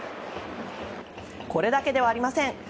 これだけではありません。